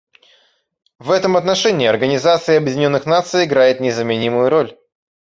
В этом отношении Организация Объединенных Наций играет незаменимую роль.